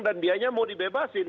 dan dianya mau dibebasin